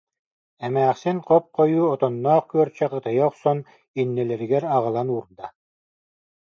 Эмээхсин хоп-хойуу отонноох күөрчэх ытыйа охсон, иннилэригэр аҕалан уурда